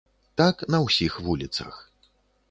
Так на ўсіх вуліцах.